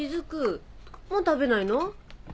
もう食べないの？